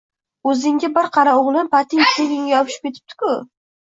O‘zingga bir qara, o‘g‘lim — pating suyagingga yopishib ketibdi-ku!